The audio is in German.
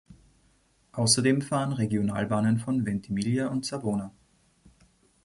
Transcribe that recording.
Außerdem fahren Regionalbahnen von Ventimiglia und Savona.